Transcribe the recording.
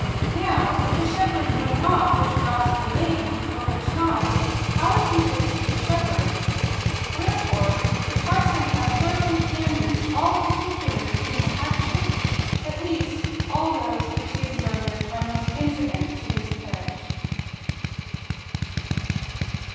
Now if a shepherd know not which grass will bane, or which not, how is he tit to be a shepherd ? Wherefore the parson hath throughly canvassed all the particulars of human actions ; at least all those which he observeth are most incident to his parish.